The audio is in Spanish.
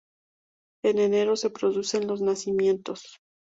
En enero se producen los nacimientos.